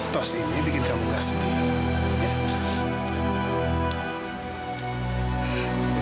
tos ini bikin kamu gak sedih